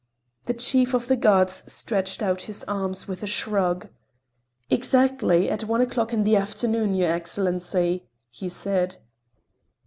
The Chief of the Guards stretched out his arms with a shrug. "Exactly at one o'clock in the afternoon, your Excellency," he said.